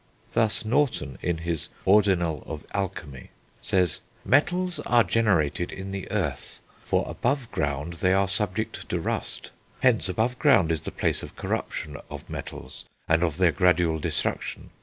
Thus Norton, in his Ordinal of Alchemy, says: "Metals are generated in the earth, for above ground they are subject to rust; hence above ground is the place of corruption of metals, and of their gradual destruction.